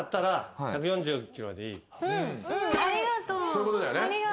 そういうことだよね。